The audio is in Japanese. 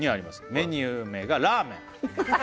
メニュー名が「ラーメン」